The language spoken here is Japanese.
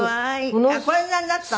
あっこんなになったの？